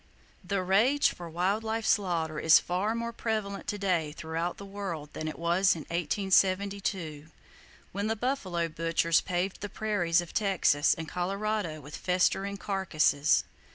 The rage for wild life slaughter is far more prevalent to day throughout the world than it was in 1872, when the buffalo butchers paved the prairies of Texas and Colorado with festering carcasses.